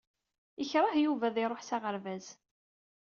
Ikṛeh Yuba ad iṛuḥ s aɣerbaz.